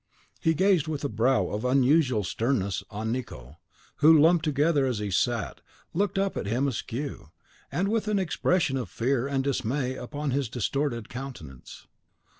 He gazed with a brow of unusual sternness on Nicot, who, lumped together as he sat, looked up at him askew, and with an expression of fear and dismay upon his distorted countenance.